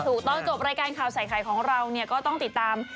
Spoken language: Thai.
ถูกต้องตอนจบรายการข่าวสายไข่ของเราก็ต้องติดตาม